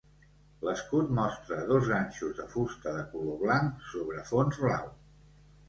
L'escut mostra dos ganxos de fusta de color blanc sobre fons blau.